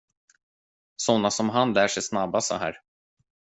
Såna som han lär sig snabbast så här.